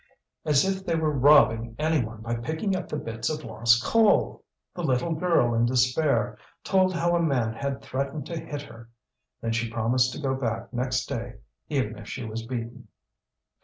As if they were robbing any one by picking up the bits of lost coal! The little girl, in despair, told how a man had threatened to hit her; then she promised to go back next day, even if she was beaten.